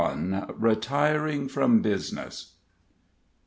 RETIRING FROM BUSINESS.